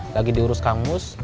lagi diurus kang mus